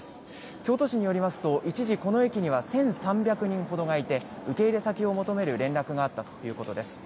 京都市によりますと一時、この駅には１３００人ほどがいて受け入れ先を求める連絡があったということです。